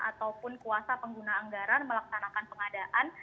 ataupun kuasa pengguna anggaran melaksanakan pengadaan